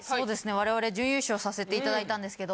我々準優勝させて頂いたんですけど。